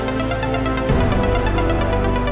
kita bisa arsenal juga